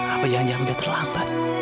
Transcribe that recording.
apa jangan jangan udah terlambat